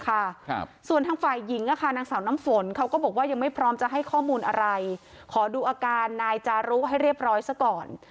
ครับส่วนทางฝ่ายหญิงอ่ะค่ะนางสาวน้ำฝนเขาก็บอกว่ายังไม่พร้อมจะให้ข้อมูลอะไรขอดูอาการนายจารุให้เรียบร้อยซะก่อน